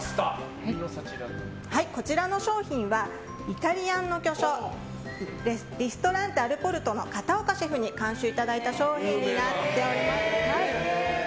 こちらの商品はイタリアンの巨匠リストランテアルポルトの片岡シェフに監修いただいた商品になっております。